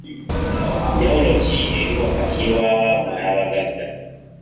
Njawulo ki eri wakati w'abaavu n'abagagga?